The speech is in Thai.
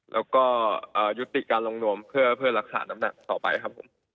แล้วก็ยุติการลงนวมเพื่อรักษาน้ำหนักต่อไปครับผม